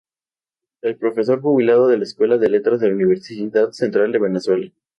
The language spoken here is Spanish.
Es profesor jubilado de la Escuela de Letras de la Universidad Central de Venezuela.